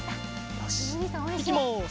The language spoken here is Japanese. よしいきます。